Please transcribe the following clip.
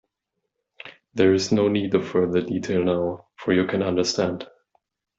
There is no need of further detail, now -- for you can understand.